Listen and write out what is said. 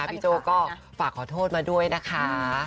โจ้ก็ฝากขอโทษมาด้วยนะคะ